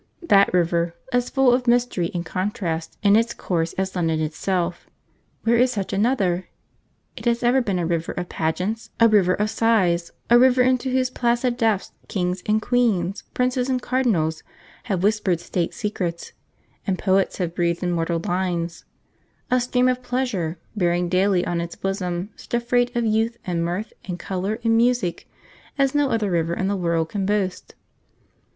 That river, as full of mystery and contrast in its course as London itself where is such another? It has ever been a river of pageants, a river of sighs; a river into whose placid depths kings and queens, princes and cardinals, have whispered state secrets, and poets have breathed immortal lines; a stream of pleasure, bearing daily on its bosom such a freight of youth and mirth and colour and music as no other river in the world can boast.